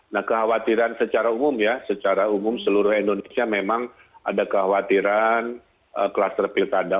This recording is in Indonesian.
nah kekhawatiran secara umum ya secara umum seluruh indonesia memang ada kekhawatiran kluster pilkada